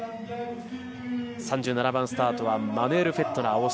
３７番スタートはマヌエル・フェットナー。